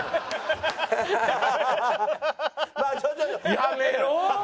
やめろ！